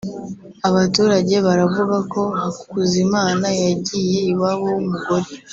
Abaturage baravuga ko Hakuzimana yagiye iwabo w’umugore